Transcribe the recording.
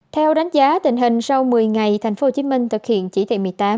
theo đánh giá tình hình sau một mươi ngày tp hcm thực hiện chỉ thị một mươi tám